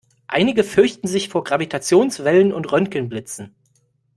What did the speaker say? Einige fürchten sich vor Gravitationswellen und Röntgenblitzen.